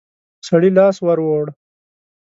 سړي لاس ور ووړ.